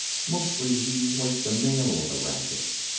Mostly he worked the mailorder racket.